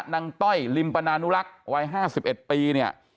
ต้อยลิมปนานุรักษ์วัย๕๑ปีเนี่ย